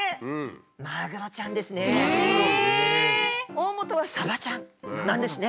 大本はサバちゃんなんですね。